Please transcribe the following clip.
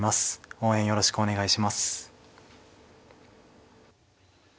応援よろしくお願いします。